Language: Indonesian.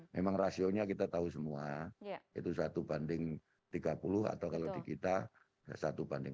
memang rasionya kita tahu semua itu satu banding tiga puluh atau kalau di kita satu banding